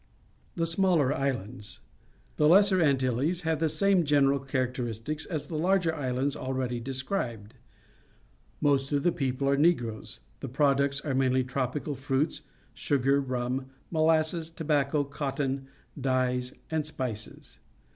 The Smalter Islands. — The Lesser An tilles have the same general characteristics as the larger islands already described. Most of the people are Negroes. The products are mainly tropical fruits, sugar, rum, molasses, tobacco, cotton, dyes, and spices.